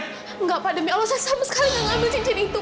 tidak pak demi allah saya sama sekali tidak ambil cincin itu